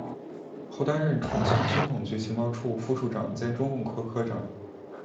后担任重庆军统局情报处副处长兼中共科科长。